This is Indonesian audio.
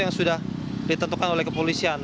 yang sudah ditentukan oleh kepolisian